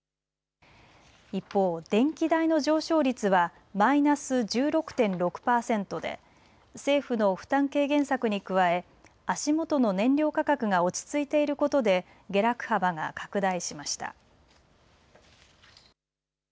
一方、電気代の上昇率はマイナス１６．６％で政府の負担軽減策に加え足元の燃料価格が落ち着いていることで下落幅が拡大しました。